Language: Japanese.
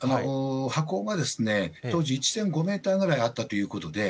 波高が当時、１．５メートルぐらいあったということで。